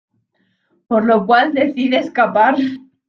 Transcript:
Por lo cual decide escapar.